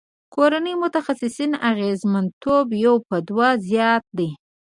کورني متخصصین اغیزمنتوب یو په دوه زیات دی.